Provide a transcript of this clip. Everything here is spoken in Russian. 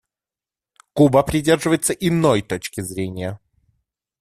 Куба придерживается иной точки зрения.